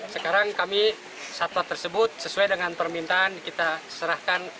sekarang kami satwa tersebut sesuai dengan permintaan kita serahkan